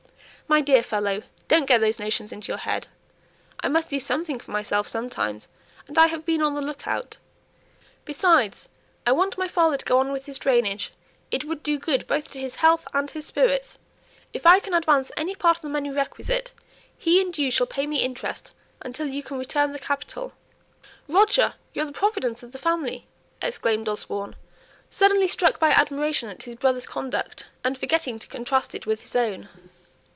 "My dear fellow, don't get those notions into your head! I must do something for myself sometimes, and I've been on the look out. Besides, I want my father to go on with his drainage; it would do good both to his health and his spirits. If I can advance any part of the money requisite, he and you shall pay me interest until you can return the capital." "Roger, you're the providence of the family," exclaimed Osborne, suddenly struck by admiration at his brother's conduct, and forgetting to contrast it with his own.